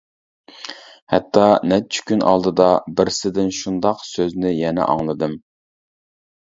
ھەتتا نەچچە كۈن ئالدىدا بىرسىدىن شۇنداق سۆزنى يەنە ئاڭلىدىم.